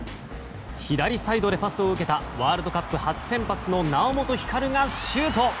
左サイドでパスを受けたワールドカップ初先発の猶本光がシュート！